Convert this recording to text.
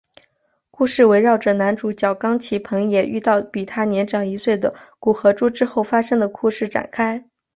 动画故事围绕着男主角冈崎朋也遇到比他年长一岁的古河渚之后发生的故事展开。